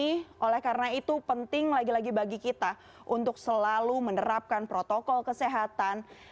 kita lihat di sini oleh karena itu penting lagi lagi bagi kita untuk selalu menerapkan protokol kesehatan